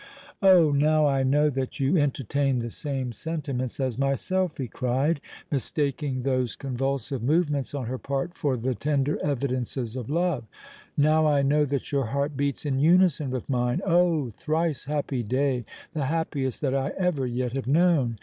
"Oh! now I know that you entertain the same sentiments as myself," he cried, mistaking those convulsive movements on her part for the tender evidences of love: "now I know that your heart beats in unison with mine. Oh! thrice happy day—the happiest that I ever yet have known.